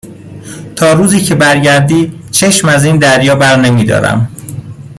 تا روزی که بر گردی چشم از این دریا برنمی دارم.